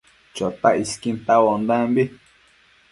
Chotac isquin tauaondambi